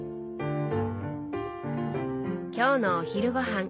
今日のお昼ご飯。